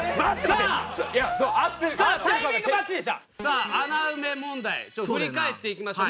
さあ穴埋め問題振り返っていきましょう。